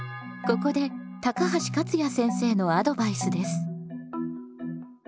ここで高橋勝也先生のアドバイスです。